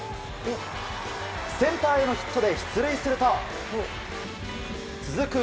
センターへのヒットで出塁すると続く